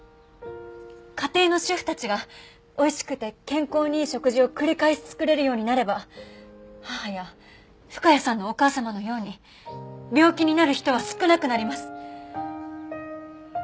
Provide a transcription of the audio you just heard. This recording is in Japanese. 家庭の主婦たちがおいしくて健康にいい食事を繰り返し作れるようになれば母や深谷さんのお母様のように病気になる人は少なくなります。